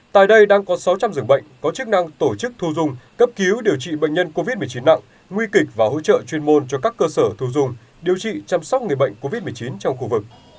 tại đây đang có sáu trăm linh dường bệnh có chức năng tổ chức thu dung cấp cứu điều trị bệnh nhân covid một mươi chín nặng nguy kịch và hỗ trợ chuyên môn cho các cơ sở thu dung điều trị chăm sóc người bệnh covid một mươi chín trong khu vực